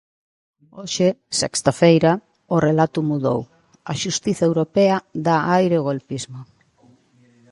Hoxe, sexta feira, o relato mudou: A xustiza europea dá aire ao golpismo.